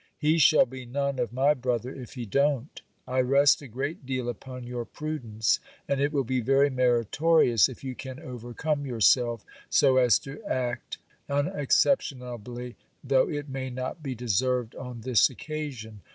He shall be none of my brother if he don't. I rest a great deal upon your prudence: and it will be very meritorious, if you can overcome yourself, so as to act unexceptionably, though it may not be deserved on this occasion.